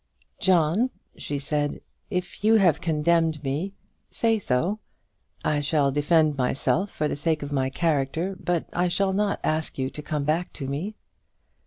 "John," she said, "if you have condemned me, say so. I shall defend myself for the sake of my character, but I shall not ask you to come back to me."